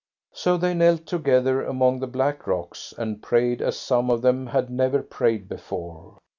So they knelt together among the black rocks, and prayed as some of them had never prayed before.